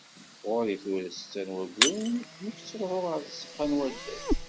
Ɣur-i tura setta n wayyuren nekk ttruḥeɣ ɣer tzeqqa n waddal.